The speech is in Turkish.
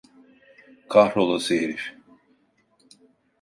Kahrolası herif!